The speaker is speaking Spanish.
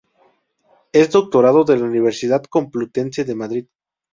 Es doctorando de la Universidad Complutense de Madrid.